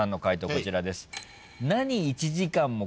こちらです。